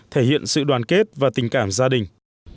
thể hiện sự đoàn kết và tình cảm gia đình